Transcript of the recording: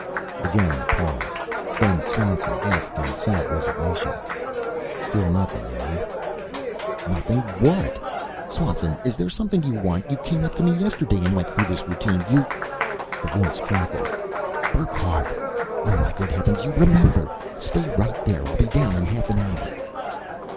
Again the pause. Then Swanson asked in sad resignation, "Still nothing, eh?" "Nothing what? Swanson, is there something you want? You came up to me yesterday and went through this routine. You " The voice crackled: "Burckhardt! Oh, my good heavens, you remember! Stay right there I'll be down in half an hour!"